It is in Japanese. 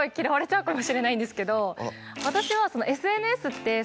私は。